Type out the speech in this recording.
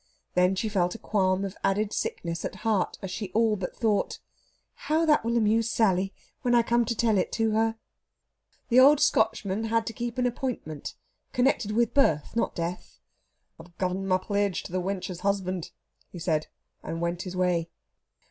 Then she felt a qualm of added sickness at heart as she all but thought, "How that will amuse Sally when I come to tell it to her!" The old Scotchman had to keep an appointment connected with birth, not death. "I've geen my pledge to the wench's husband," he said, and went his way.